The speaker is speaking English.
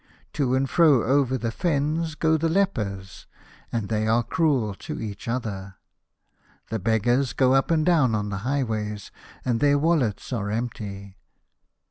To and fro over the fens go the lepers, and they are cruel to each other. The beggars go up and down on the highways, and their wallets are empty.